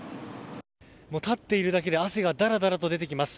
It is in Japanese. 立っているだけで汗がだらだらと出てきます。